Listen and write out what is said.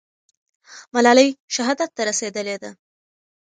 ملالۍ شهادت ته رسېدلې ده.